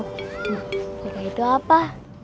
nah nikah itu apa